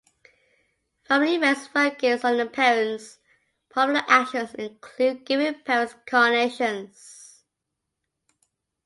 Family events focus on the parents; popular actions include giving parents carnations.